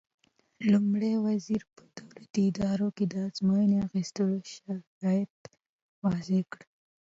لومړي وزیر په دولتي ادارو کې د ازموینې اخیستو شرایط وضع کړل.